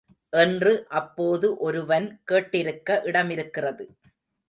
என்று அப்போது ஒருவன் கேட்டிருக்க இடமிருக்கிறது.